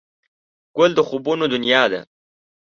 ګل د خوبونو دنیا ده.